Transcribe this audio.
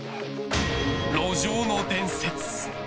路上の伝説。